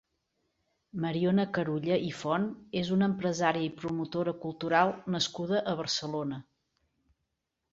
Mariona Carulla i Font és una empresària i promotora cultural nascuda a Barcelona.